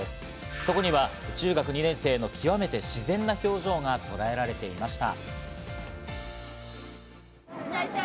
そこには中学２年生の極めて自然な表情がとらえられていました。